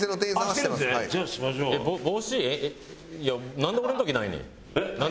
なんで俺の時ないねん。